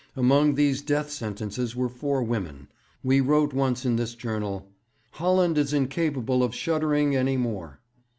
Among these death sentences were four women. We wrote once in this journal, "Holland is incapable of shuddering any more."